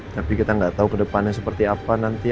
tapi kita gak tahu kedepannya seperti apa nanti